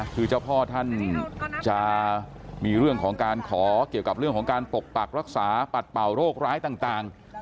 คือเจ้าพ่อท่านจะมีเรื่องของการขอเกี่ยวกับเรื่องของการปกปักรักษาปัดเป่าโรคร้ายต่าง